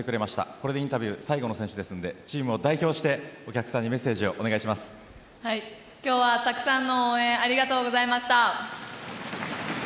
これでインタビュー最後の選手ですのでチームを代表してお客さんにメッセージを今日はたくさんの応援ありがとうございました。